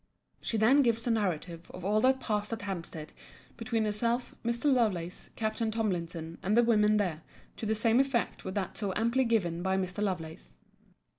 [She then gives a narrative of all that passed at Hampstead between herself, Mr. Lovelace, Capt. Tomlinson, and the women there, to the same effect with that so amply given by Mr. Lovelace.